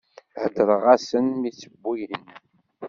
Ḥeḍreɣ ass-en mi tt-wwin.